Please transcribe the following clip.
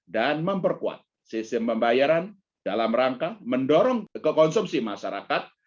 dan memperkuat sistem pembayaran dalam rangka mendorong kekonsumsi masyarakat